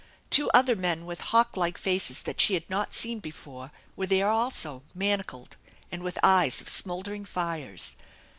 Two other men with hawk like faces that she had not seen before were there also, manacled, and with eyes of smouldering fires.